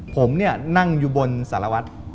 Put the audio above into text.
ผมนี่นั่งอยู่บนสารวัฒน์